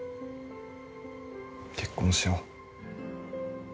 「結婚しよう」